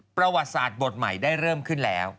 ประวัติศาสตร์บทใหม่ได้เริ่มขึ้นแล้ว